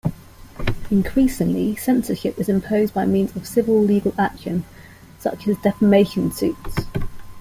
Increasingly, censorship is imposed by means of civil legal action, such as defamation suits.